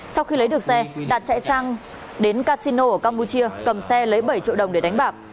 sau khi lấy được xe đạt chạy sang đến casino ở campuchia cầm xe lấy bảy triệu đồng để đánh bạc